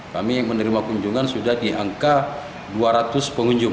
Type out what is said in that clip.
kami yang menerima kunjungan sudah di angka dua ratus pengunjung